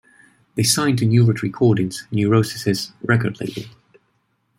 They signed to Neurot Recordings, Neurosis' record label.